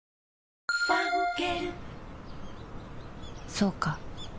そうか